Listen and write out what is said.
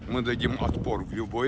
pada saat saat yang berlaku